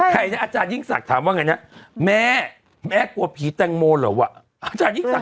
เขาสั่งแบบตุมไป